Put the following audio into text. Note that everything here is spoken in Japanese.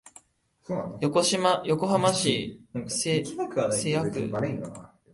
横浜市瀬谷区